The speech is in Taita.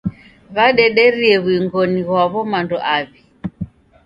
W'adederie w'uing'oni ghwaw'o mando aw'i.